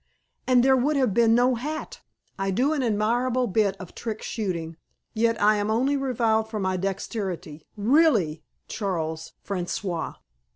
And there would have been no hat! I do an admirable bit of trick shooting, yet I am only reviled for my dexterity. Really, Charles François!"